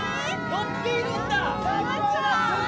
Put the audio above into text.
乗ってるんだ。